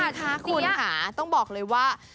นะคะคุณค่ะต้องบอกเลยว่า